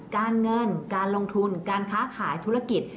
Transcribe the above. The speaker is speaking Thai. การเงินการลงทุนการค้าขายธุรกิจ